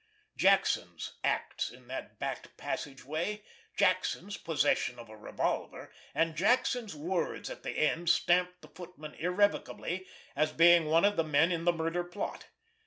Jackson's acts in that back passageway, Jackson's possession of a revolver, and Jackson's words at the end stamped the footman irrevocably as being one of the men in the murder plot.